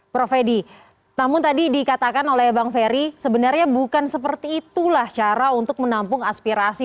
prof edi namun tadi dikatakan oleh bang ferry sebenarnya bukan seperti itulah cara untuk menampung aspirasi